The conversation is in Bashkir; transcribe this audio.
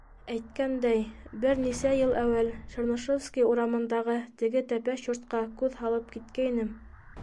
Әйткәндәй, бер нисә йыл әүәл Чернышевский урамындағы теге тәпәш йортҡа күҙ һалып киткәйнем.